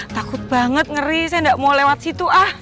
takut banget ngeri saya gak mau lewat situ